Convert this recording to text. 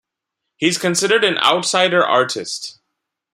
He is considered an Outsider artist.